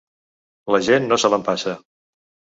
La gent no se l’empassa.